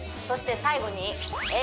そして最後に